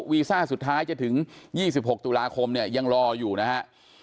วีซ่าสุดท้ายจะถึง๒๖ตุลาคมเนี่ยยังรออยู่นะฮะ